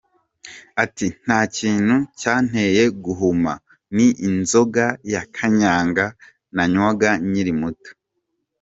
Ati “ Nta kindi cyanteye guhuma, ni inzoga ya Kanyanga nanywaga nkiri muto.